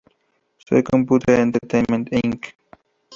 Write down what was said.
Sony Computer Entertainment, Inc.